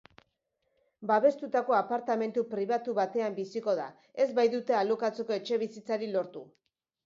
Babestutako apartamentu pribatu batean biziko da, ez baitute alokatzeko etxebizitzarik lortu.